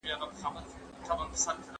که انلاین ښوونه وي، تعلیمي ګډون زیاتېږي.